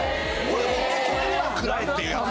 これでもくらえっていうやつ。